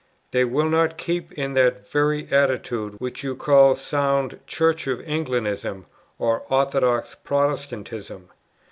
They "will not keep in that very attitude which you call sound Church of Englandism or orthodox Protestantism.